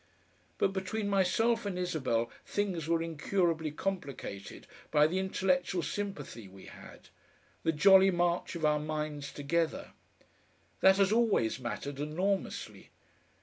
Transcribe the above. But between myself and Isabel things were incurably complicated by the intellectual sympathy we had, the jolly march of our minds together. That has always mattered enormously.